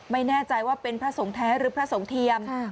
ไม่แน่ใจว่าเป็นพระสงฆ์แท้หรือพระสงฆ์เทียม